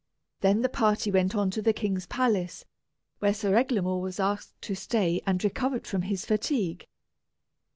Then the party went on to the king's palace, where Sir Eglamour was asked to stay and recover from his fatigue.